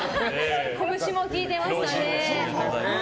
こぶしも効いてましたね。